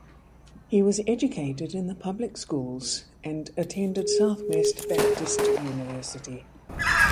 He was educated in the public schools and attended Southwest Baptist University.